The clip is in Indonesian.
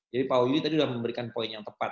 jadi pak wahyudi tadi udah memberikan poin yang tepat